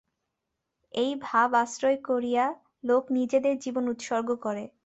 এই ভাব আশ্রয় করিয়া লোক নিজেদের জীবন উৎসর্গ করে।